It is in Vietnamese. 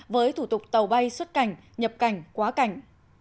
với thủ tục tàu bay xuất cảnh nhập cảnh quá cảnh